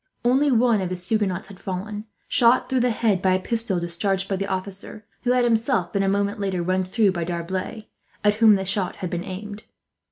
Only one of his Huguenots had fallen, shot through the head by a pistol discharged by the officer; who had himself been, a moment later, run through by D'Arblay, at whom the shot had been aimed.